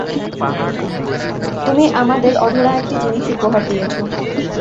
তুমি আমাদের অধরা একটা জিনিস উপহার দিয়েছ!